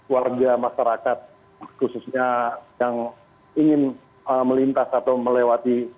warga masyarakat khususnya yang ingin melintas atau melewati